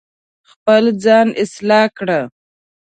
خپل ځان اصلاح کړه